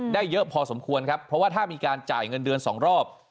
เยอะพอสมควรครับเพราะว่าถ้ามีการจ่ายเงินเดือนสองรอบ